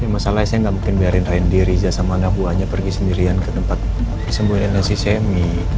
masalahnya saya gak mungkin biarin rendy riza sama anak buahnya pergi sendirian ke tempat disembunyi dari si sammy